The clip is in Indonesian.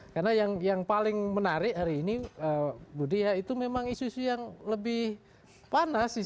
karena yang paling menarik hari ini budi itu memang isu isu yang lebih panas